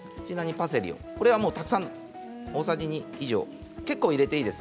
パセリはたくさん大さじ２以上結構入れていいです。